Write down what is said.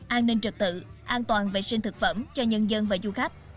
an ninh trật tự an toàn vệ sinh thực phẩm cho nhân dân và du khách